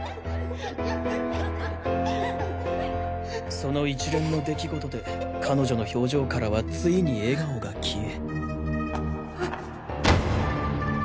その一連の出来事で彼女の表情からはついに笑顔が消え。